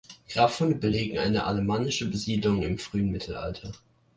Grabfunde belegen eine alemannische Besiedlung im frühen Mittelalter.